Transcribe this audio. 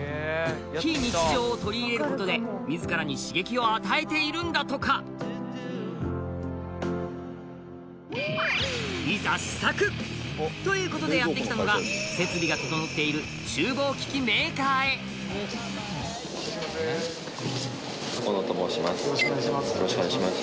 非日常を取り入れることで自らに刺激を与えているんだとかいざ試作！ということでやって来たのが設備が整っている厨房機器メーカーへ大野と申します